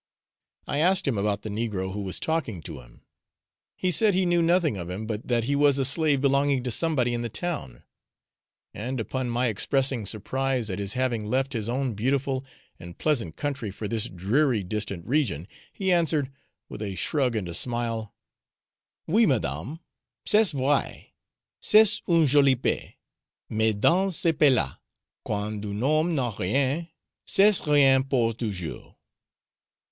I asked him about the negro who was talking to him; he said he knew nothing of him, but that he was a slave belonging to somebody in the town. And upon my expressing surprise at his having left his own beautiful and pleasant country for this dreary distant region, he answered, with a shrug and a smile, 'Oui, madame, c'est vrai; c'est un joli pays, mais dans ce pays là, quand un homme n'a rien, c'est rien pour toujours.'